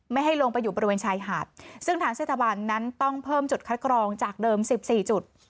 ให้ลงไปอยู่บริเวณชายหาดซึ่งทางเทศบาลนั้นต้องเพิ่มจุดคัดกรองจากเดิมสิบสี่จุด